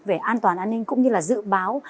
về an toàn an ninh cũng như là dự báo